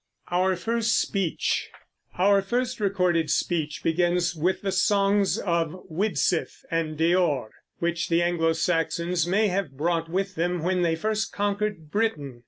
OUR FIRST SPEECH. Our first recorded speech begins with the songs of Widsith and Deor, which the Anglo Saxons may have brought with them when they first conquered Britain.